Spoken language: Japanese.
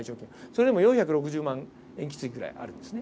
それでも４６０万塩基対ぐらいあるんですね。